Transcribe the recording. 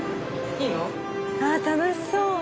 あ楽しそう。